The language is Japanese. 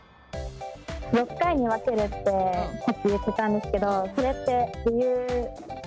６回に分けるってさっき言ってたんですけどそれって理由とか。